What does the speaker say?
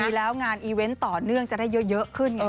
มีแล้วงานต่อเนื่องจะได้เยอะขึ้น